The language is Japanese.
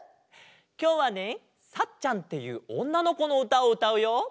きょうはね「サッちゃん」っていうおんなのこのうたをうたうよ。